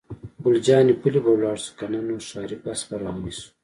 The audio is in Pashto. ګل جانې: پلي به ولاړ شو، که نه نو ښاري بس به را ونیسو.